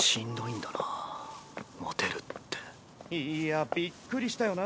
いやびっくりしたよな